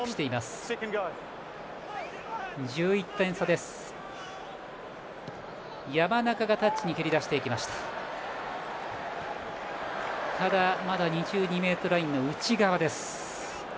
ただ、まだ２２ｍラインの内側です。